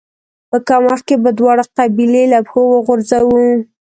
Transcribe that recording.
په کم وخت کې به دواړه قبيلې له پښو وغورځوو.